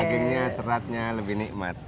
dagingnya seratnya lebih nikmat